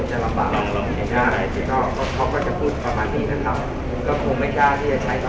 ส่าห์ความจำยงจะให้น้องบุหระ